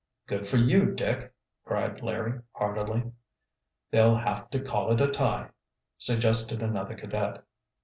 "Good for you, Dick!" cried Larry heartily. "They'll have to call it a tie," suggested another cadet.